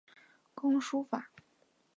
工书法。